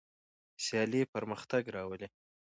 سیالي پرمختګ راولي.